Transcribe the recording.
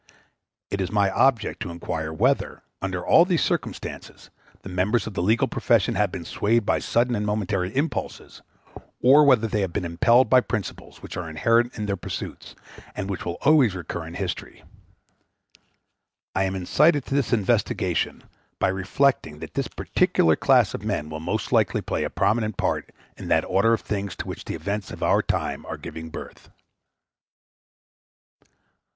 It is my object to inquire whether, under all these circumstances, the members of the legal profession have been swayed by sudden and momentary impulses; or whether they have been impelled by principles which are inherent in their pursuits, and which will always recur in history. I am incited to this investigation by reflecting that this particular class of men will most likely play a prominent part in that order of things to which the events of our time are giving birth.